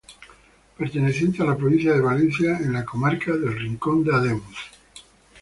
Perteneciente a la provincia de Valencia, en la comarca del Rincón de Ademuz.